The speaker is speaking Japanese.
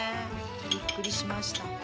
びっくりしました。